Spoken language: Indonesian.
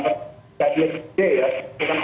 memang harus dikendalikan dikendalikan dan dikendalikan